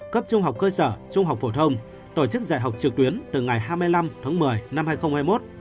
cấp trung học cơ sở trung học phổ thông tổ chức dạy học trực tuyến từ ngày hai mươi năm tháng một mươi năm hai nghìn hai mươi một